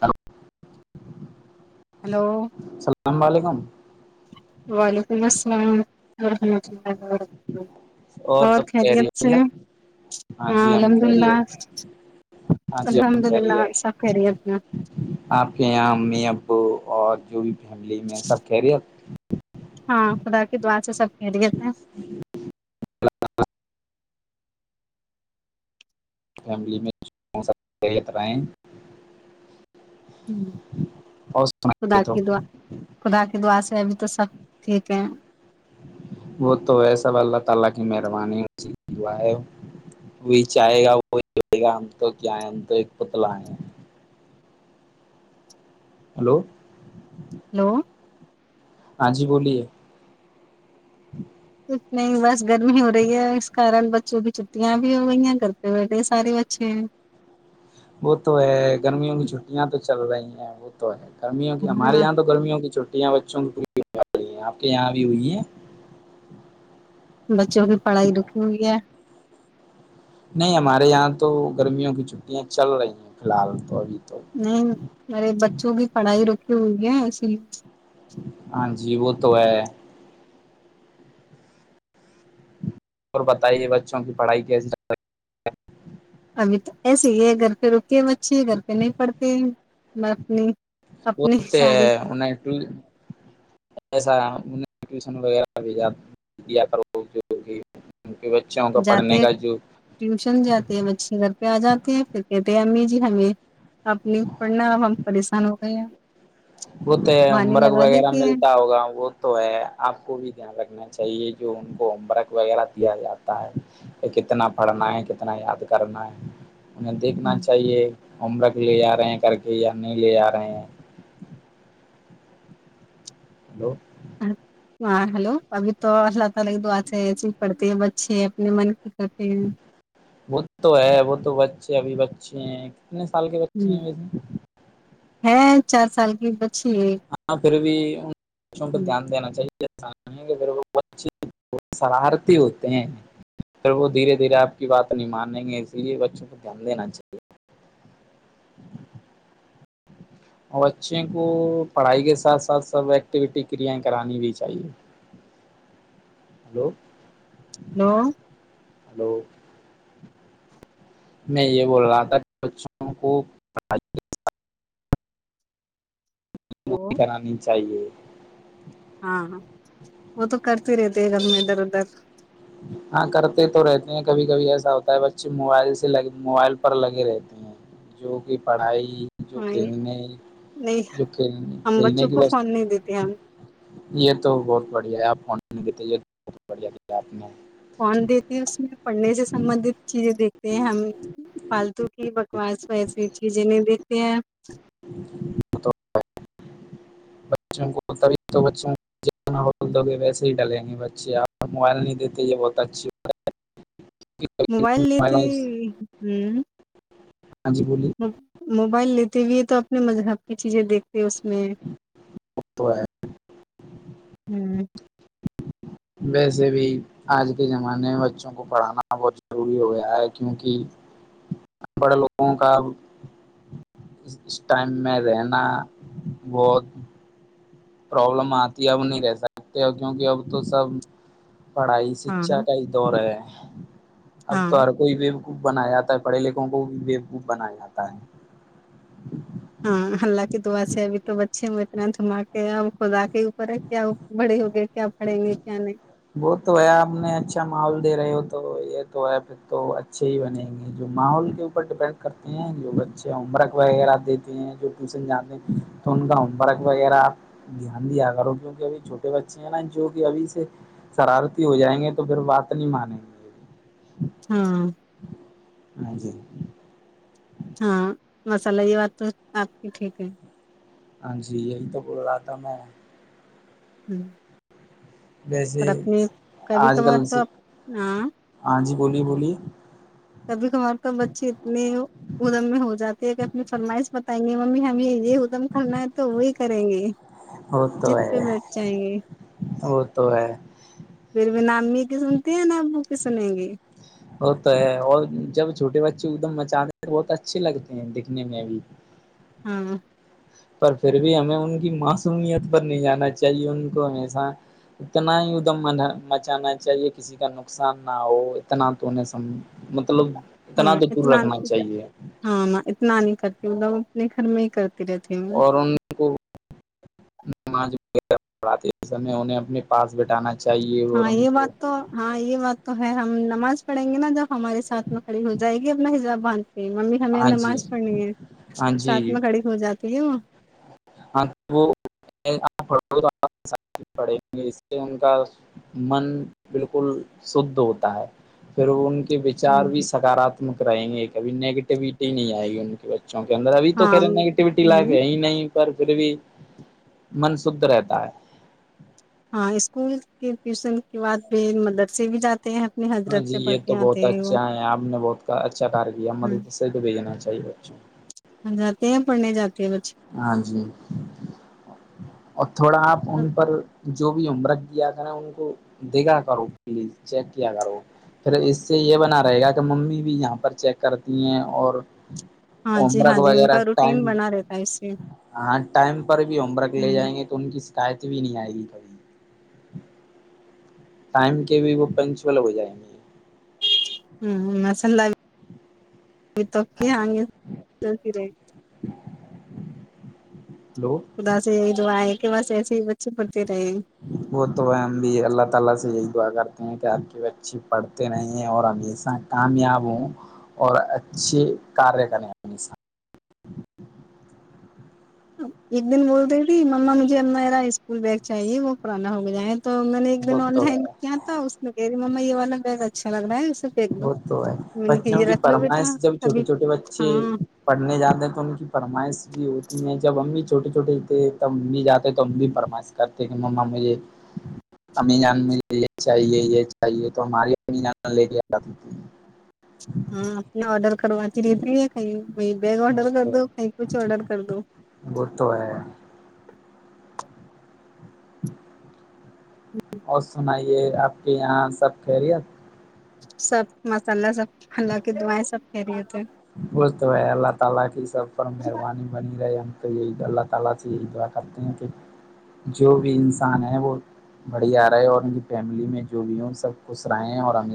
Hello hello اللام علیکم وعلیکم السلام ورحمۃ اللہ اور سب کہہ خیریت سے رہی ہے ہاں جی ہم الحمد کہہ رہی للہ ہے ہاں جی ہم الحمد کہہ رہی للہ سب خیریت میں ہیںپ آپ کے یہاں امی ابو اور جو بھی فیملی میں سب کہہ رہی ہاں خدا کی دعار سے سب کہہ دیےتے ہیں فیملی میںترائیں اور خدا کی دعا خدا کی دعا سے ابھی تو سب ٹھیک ہے وہ تو ہے سب اللہ تعالی کی مہربانی وہی چاہے گا وہیے گا ہم تو کیا ہے ہم تو ایک پتلا ہے ہلو ہلو آں جی بولیے کچھ نہیں بس گرمی ہو رہی ہے اس کارن بچوں بھی چھٹیاں بھی ہو گئی ہیں کرھرتے بیٹھے سارے بچے ہیں وہ تو یہ وہ تو ہے گرمیوں کی ہمارے ہاں یہاں تو گرمیوں کی چھٹی چھیاں بچوںی ہیں آپ کے یہاں بھی ہوئی ہیں بچوں کی پڑھائی رکھی ہوئی ہے نہیں ہمارے یہاں تو گرمیوں کی چھٹیاں چل رہی ہیں فی الحال تو ابھی تو نہیں میرے بچوں کی پڑھائی رکی ہوئی ہے سلی ہاں جی وہ تو ہے اور بتائیے بچوں کی پڑھائی کیسی ابھی تو ایسے ہی گھر پہ رکیے اچھی کرتے نہیں پڑھتے میں اپنی رہی؟ اپنی ہوتے ساری ہے انہیں انہ ٹیوشن وغیرہ بھیجا دیا کر جو بھی جاتے ہیں ٹیوشن جاتے ہیں بچے گھر پہ آ جاتے ہیں پھر کہتے امی جی ہمیں آپ نے پڑھنا ا ہم پریشان ہو گئے ہیں وہ تو بہانے مرگ لگا وغیرہ دیتی ہیں ملتا ہوگا وہ تو ہے آپ کو بھی دھیان رکھنا چاہیے جو ان کو ہوم ورک وغیرہ دیا جاتا ہے کہ کتنا پڑھنا ہے کتنا یاد کرنا ہے انہیں دیکھنا چاہیے امرک لے آ رہے ہیں کر کے یا نہیں لے آ رہے ہیں ہیلو ہاں ہیلو ابھی تو اللہ تعالی کی دعا چاہیے پڑھتے ہیں بچے اپنے کرتے ہیں وہ تو ہے وہ تو بچے ابھی بچے ہیں اتنے سال کے بچے میں بیسے ہے چار سال کی ب جٹھیک [unintelligible] ہاں پھر بھی [unintelligible] سم کو دھیان دینا چاہیے وہ بچ شرارتی ہوتے ہیں پھر وہ دھیرے دھیرے آپ کی بات نہیں مانیں گے اسی لیے بچوں کو دھیان دینا چاہیے [unintelligible] اور بچے کو پڑھائی کے ساتھ ساتھ سب ایکٹیوٹی کریایں کرانی بھی چاہیے [unintelligible] ہلو [unintelligible] ہیلو ہلو میں یہ بول رہا تھا بچوں کو پی کرانی چاہیے [unintelligible] ہاں وہ تو کرتے رہتے ہے گھر میں ادھر ادھر ہاں کرتے تو رہتے ہیں کبھی کبھی ایسا ہوتا ہے بچے موبائل سے لگ موبائل پر لگے رہتے ہیں جو کہ پڑھائی جو ہاں کھیلنے نہیں کھیل ہم کھیلنے بچوں کی کو ب فون نہیں دیتے ہم یہ تو بہت بڑھیا ہے آپ [unintelligible] ان کی طیت بت بڑھیا کتاب ہے [unintelligible] نہ [unintelligible] فون دیتی ہے اس میں پڑھنے سے سبندت چیزیں دیکھتے ہیں ہم فالتو پ [unintelligible] بچوں کوب تو بچوںگے ویسے ہی ڈالیں گے بچے آپ موبائل نہیں دیتے یہ بہت اچھی [unintelligible] موبائل لیتے ہاں ہ جی بولی موبائل لیتے بھی ہے تو [unintelligible] اس میں مذہب کی چیزیں دیکھتے اس میں [unintelligible] تو ہے ہوں [unintelligible] ویسے بھی آج کے زمانے میں بچوں کو پڑھانا بہت ضروری ہو گیا ہے کیونکہ پڑھ لوگوں کا اس ٹائم میں رہنا بہت پرابلم آتی ہے اب نہیں رہ سکتے اور کیونکہ اب تو سب پڑھائی ہاں شکھا کا ہی دور ہے اب تو ہاں ہر کوئی بھی خوب بنایا جاتا ہے پڑھے لکھوں کو بھی بےوب بنایا جاتا ہے ہاں اللہ کی دعا سے ابھی تو بچے میں اتنا دھما کے اب خودا کے اوپر ہے کیا بڑے ہوگے کیا پڑیں گے کیا نہیں وہ تو ہے آپ نے اچھا ماحول دے رہے ہو تو یہ تو ہے پھر تو اچھے ہی بنےیں گے جو ماحول کے اوپر ڈپینڈ کرتے ہیں جو بچے ہوم ورک وغیرہ دیتے ہیں جو ٹیوشن جاتے ہیں تو ان کا ہوم ورک وغیرہپ دھیان دیا کرو کیوںکہ ابھی چھوٹے بچے ہیں نا جو کہ ابھی سے شرارتی ہو جائیں گے تو پھر بات نہیں مانیں گے ہاں ہاں جی ہاں مساللہ یہ بات تو آپ کی ٹھیک ہے ہاں جی یہی تو بول رہات تھا میں ہوں ویسے کبھی آج کل کبھار تو آپ ہاں آج ہی بولی بولی کبھی کبھار تو بچے اتنے ادم میں ہو جاتے ہیں کہ اپنی فرمائش بتائیں گے ممی ہمیں یہ یہ ہودم کرنا ہے تو وہی کریں گے وہ تو جد ہے پہ مٹ جائیں گے وہ تو ہے پھر بھینا امی کی سنتی ہیں نہا ابو کی سنیں گی ہوتا ہے اور جب چھوٹے بچے ایک دم مچانے ہیں تو بہت اچھے لگتے ہیں دیککھنے میں بھی ہاں پر پھر بھی ہمیں ان کی معصومیت پر نہیں جانا چاہیے ان کو ہمیشہ اتنا ہی ادھم مچانا چاہیے کسی کا نقصان نہ ہو اتنا تویں سم مطلب ہاں تو دور اتنا رکھنا نہیں چاہیے ہاں اتنا نہیں کرتیوں لوگ اپنے گھر میں کرتی رہتی ہوں اور ان کو نمج ڑ اس انہیں اپنے پاس بیٹھانا چاہی ہاں یہ بات تو ہاں یہ بات تو تو ہے ہم نماز پڑھیں گے نا جب ہمارے ساتھ میں کڑی ہو جائے گی اپنا حزاب باند ممیمی ہمیں ہاں جی نماز پڑھنی ہے ہاں جی ساتھ میں کھڑی ہو جاتی ہے وہ ہاں وہ پ اس سے ان کا من بالکل شھ ہوتا ہے پھر ان کے وچار بھی ہاں سکارااتمک رہیں گے ایک کبھی نگیٹیویٹی ہی نہیں آئے گی ان کی ب کیون اندر ا بھی تو ہاں خ نیگیٹیویٹی ہوں لگے ا نہیں پر پھر بھی من شھ رہتا ہے ہاں اسکول کے ٹیوشن کے بعد بھی مدرسے بھی جاتے ہیں اپنے ہاں حضرت جی سے پڑھ یہ تو کے بہت آتے ہیں وہ اچھا ہے آپ نے بہت اچھا کار کیا مدد سے تو بھیجناا صحیح بھ جاتے ہیں پڑ نہیں جاتے ہیں بچے ہاں جی اچا تھوڑا آپ ان پر جو بھی عمرک کیایا کریں ان کو دھا کرو پلیز چیک کیا کرو پھر اس سے یہ بنا رہے گا کہ ممی بھی یہاں پر چیک کرتی ہیں اور ہاں جی ہاں عمرک جی ان وغیرہ کا روٹین ٹائم بنا رہتا ہے اس سے ہاں ٹائم پر بھی ہوم ورک لے جائیں گے ہوں تو ان کی شکایت بھی نہیں آئے گی کھی ٹائم کے بھی وہ پنچول ہو جائےیں گی ہوں مسند ل یہ توک ہاں جی ہگلتی رہے ہلو ادا سے جو آئے کہ بس ایسے ہی [inaudible] بچے پڑھتے رہے کہ آپ کی بچے پڑھتے نہیں اور ہمیشہ کامیاب ہوں اور اچھے کاریہ کریں ہمیش ایک دن بول رہی تھی مما مجھے میرا اسکول بیگ چاہیے وہ پرانا ہو گیا ہے تو میں نے ایک وہ دن آن تو لائن ہے کیا تھا اس میں مما یہ والا بہت اچھا لگنا ہے [unintelligible] وہ تو ہے میں نے کہ بچوں یہ کی رکھ لو فرمائش بیٹا جب چھوٹے کبھی چھوٹے بچے ہاں پڑھنے جاتے ہیں تو ان کی فرمائش بھی ہوتی ہے [unintelligible] جب امی چھوٹے چھوٹے تھے تب امی جاتے تو امی فرمائش کرتے کہ ما مجھے امی جان مجے لے چاہیے یہ چاہیے تو ہماری ا جان لے ج [unintelligible] جات تھی [unintelligible] ہاں اپنے آڈر کرواتتی رہتی ہے کئی [unintelligible] وہ بیگ آڈر وہ کر تو دو نہیںیں کچھ آڈر کر دو وہ تو ہے [unintelligible] ہ [unintelligible] اور س نہیں [unintelligible] یہ آپ کے یہاں سب خیریت [unintelligible] سب مسالہ سب ہلہ کی دائیں سب پری [unintelligible] وہ تو میں اللہ تعالی کی سب پر مہربانی بنی رہے [unintelligible] اللہ تعالی سے یہ دعا کرتے ہیں کہ جو بھی انسان ہے وہ بڑی ا رہا ہے اور ان کی فیملی میں جو بھی ہوں سب کچھ [unintelligible]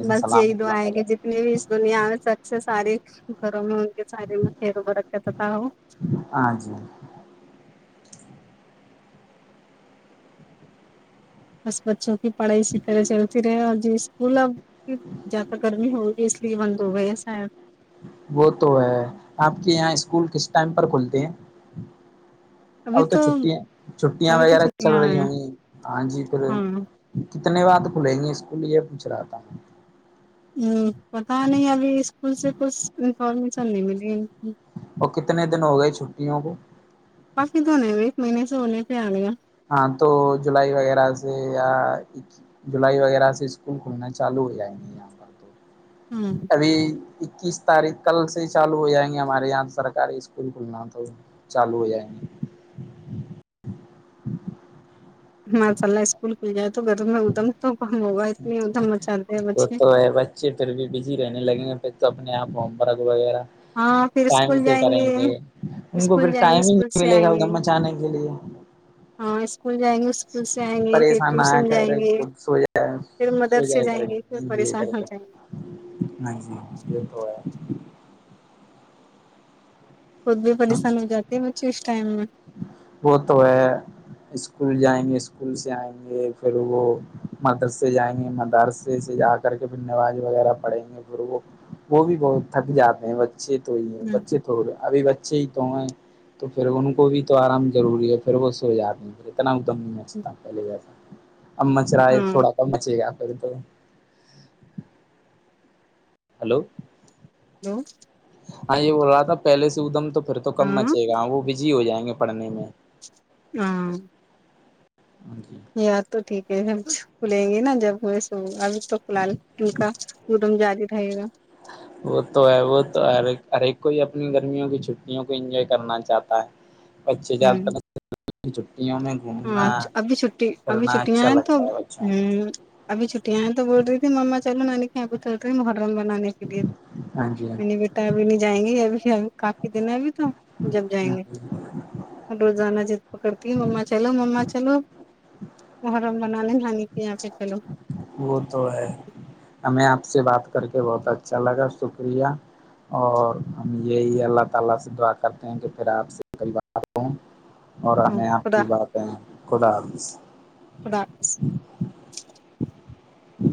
بس یہی تو آئے گ جتنی بھی اس دنیا میں سک سے ساری [unintelligible] گھروں میں ان کے سارے میں خیر ب رکھ کرتا تھا ہو [unintelligible] ہاں جی [unintelligible] بس بچوں کی [unintelligible] پڑائی ست ہے س جی [unintelligible] اسکول اب زیادہ گرمی ہوگی اس لیے بند ہو گیا شاید [unintelligible] وہ تو ہے آپ کے یہاں اسکول کس ٹائم پر کھلتی ہیں [unintelligible] اب تو چھٹیاں چھٹیاں ابھی تو وغیرہ چل چھٹیاں رہی ہیں ہوں گی ہاں جی پھر ہاں [unintelligible] کتنے بعد کھلیں گے اسکول یہ پوچھ رہا تھا [unintelligible] ہ پتا نہیں ابھی اسکول سے کچھ [unintelligible] س میںس نہیں ملی گ [unintelligible] اور کتنے دن ہو گئے چھٹیوں کو [unintelligible] کاافی تو نہیں ایک مہینے سے ہونے سے آ ل گیا [unintelligible] ہاں تو جولائی وغیرہ سے یا جولائی وغیرہ سے اسکول کھلنا چالو ہو جائے گے یہاں پر تو ہاں [unintelligible] ابھی [unintelligible] اکیس تاریخ کل سے ہی چالو ہو جائیں گے ہمارے یہاں سرکاری اسکول کھلنا تو چالو ہو جائیں گے [unintelligible] مس اللہ اسکول ک جات [unintelligible] تو گھرم میں ادم تو کم ہوگا اتنی ادھم بچاتے ہیں وہ بچے [unintelligible] پ تو اپنے آپ ہوم پررک وغیرہ [unintelligible] ہاں پھر ٹائم اسکول سے جائیں کریں گے ان کو اسکول پھر جائیں گے ٹائم ہی اسکول نہیں سے ملے آئیں گا گے ادھر مچانے کے لیے ہاں اسکول جائیں گے [unintelligible] سے آئیں گے پھر پریشان نہ ٹیوشن جائیں کرے گے ک سو جائے پھر سو مدرسے جائے کرے جائیں گے ہ پھر جی پریشان ہو جائیں گے یہ تو [unintelligible] خود بھی پریشانی ہو جاتی ہے مھے اس ٹائم میں وہ تو ہے [unintelligible] اسکول جائیں گے اسکول سے آئیں گے پھر وہ مدرسے جائیں گے مدرسے سے جا کر کے پھر نواز وغیرہ پڑھیں گے پھر وہ وہ بھی بہت تھک جاتے ہیں بچے [unintelligible] بچے تو ہی ہے ہوں، بچے تو ہو رہے ابھی بے [unintelligible] اچھے ہی تو ہے تو پھر ان کو بھی تو آرام ضروری ہے پھر وہ سو جاتے پھر اتنا دم نہیں مچتا پہلے جیسا اب مچ رہا ہے ہاں تھوڑا سا مچے گا پھر تو [inaudible] [inaudible] ہلو ہاں یہ بول رہا تھا پہل سے ایک دم تو پھر تو کم ہاں مچے گا وہ بزی ہو جائے گا پڑھنے میں ہاں ہاں جی یاد تو ٹھیک ہے س کھلیں گی نا جب میں س اب ک لال ان کا م جدیٹائیے گا وہ تو ہے وہ تو ہر ہر ایک کو ہی اپنی گرمیوں کی چھٹیوں کو انجوائے کرنا چاہتا ہے اچھے ہوں جد تک [inaudible] ہاں ابھی چھٹی ابھی پھرنا چھٹیاں اچھا ہیں تو لگتا ہے بچوں ہ کو ابھی چھٹٹییاں ہیں تو بول رہی تھی مما چلو نانی کے یہاں پہ چل رہی ہے محرم بنانے کے لیے ہاں جی منی بیٹا ابھی نہیں جائیں گی ابھی [inaudible] کافی دن ابھی تو جب جائیں ہاں گے جی روزانہ چ پکڑتی ہے ما چ مما چلو مر بنالے نانی یہاں پہ چلو وہ تو ہے ہمیں آپ سے بات کر کے بہت اچھا لگا شکریہ اور ہم یہی اللہ تعالی سے دعا کرتے ہیں کہ پھر اپ سے کئی بار کو اور ہاں ہمیں آپ خدا کی باتیں خدا حافظ خدا حافظ ہ